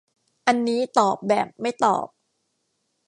อันนี้ตอบแบบไม่ตอบ